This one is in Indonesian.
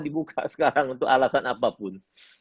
dibuka sekarang untuk alasan apapun